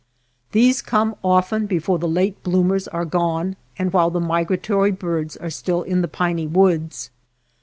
These come often before the late bloomers are gone and while the migratory birds are still in the piney woods.